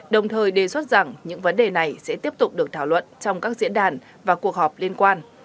đồng thời đề xuất rằng những vấn đề này sẽ tiếp tục được thảo luận trong các diễn đàn và cuộc họp liên quan